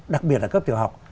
đặc biệt là cấp tiểu học